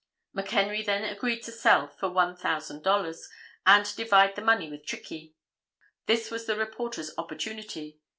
McHenry then agreed to sell for $1000 and divide the money with Trickey. This was the reporter's opportunity.